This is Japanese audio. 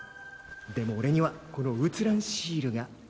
でもおれにはこの写らんシールが。